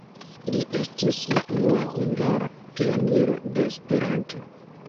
Li estis la unua hungara pioniro de Esperanto.